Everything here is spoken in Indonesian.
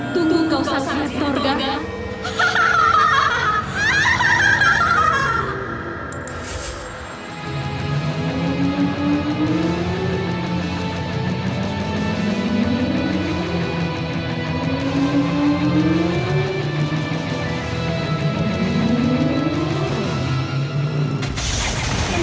tunggu kau saat saat torgas hahaha